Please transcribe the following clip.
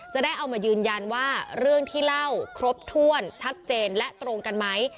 จะได้เอามายืนยันว่าเรื่องที่เล่าครบถ้วนชัดเจนและตรงกันไหม